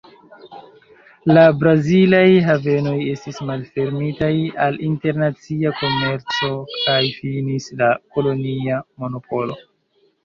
La brazilaj havenoj estis malfermitaj al internacia komerco kaj finis la kolonia monopolo.